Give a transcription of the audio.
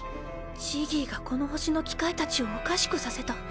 ジギーがこの星の機械たちをおかしくさせた。